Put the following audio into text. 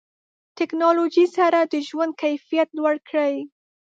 ټکنالوژي سره د ژوند کیفیت لوړ کړئ.